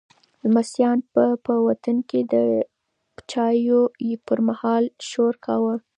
لمسیانو به په وطن کې د چایو پر مهال شور کاوه.